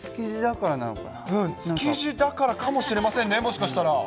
築地だからかもしれませんね、もしかしたら。